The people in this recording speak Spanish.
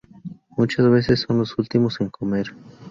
Muchas veces son los últimos en comer.